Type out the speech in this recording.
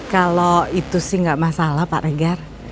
kalau itu sih nggak masalah pak regar